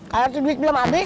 kalau tuh duit belum habis